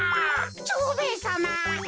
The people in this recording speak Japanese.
蝶兵衛さま